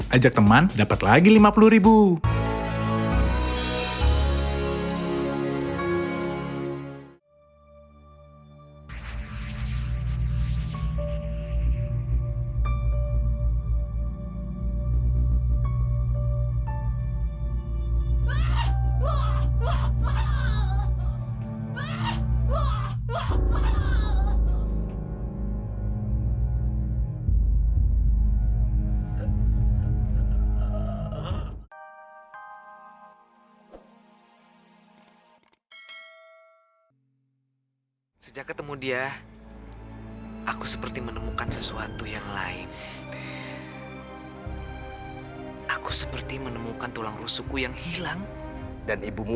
ajak teman dapet lagi lima puluh ribu